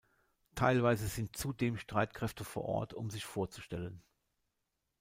Teilweise sind zudem Streitkräfte vor Ort, um sich vorzustellen.